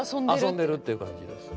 遊んでるっていう感じです。